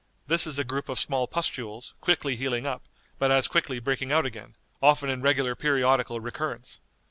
This is a group of small pustules, quickly healing up, but as quickly breaking out again, often in regular periodical recurrence.